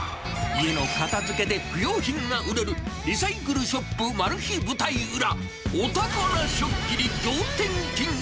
家の片づけで不用品が売れる、リサイクルショップマル秘舞台裏。